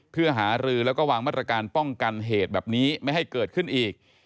เพื่อหารือแล้วก็วางมาตรการป้องกันเหตุแบบนี้ไม่ให้เกิดขึ้นอีก